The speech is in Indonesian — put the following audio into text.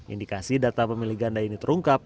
indikasi data pemilih ganda ini terungkap